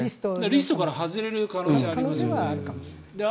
リストから外れす可能性がありますよね。